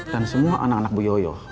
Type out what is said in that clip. dan semua anak anak bu yoyo